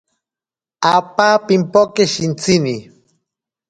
Apa pimpoke shintsini.